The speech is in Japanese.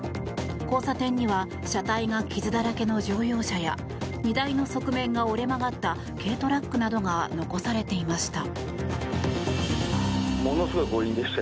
交差点には車体が傷だらけの乗用車や荷台の側面が折れ曲がった軽トラックなどが残されていました。